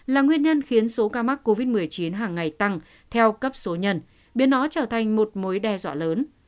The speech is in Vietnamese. là nguyên nhân khiến số ca mắc covid một mươi chín hàng ngày tăng theo cấp số nhân biến nó trở thành một mối đe dọa lớn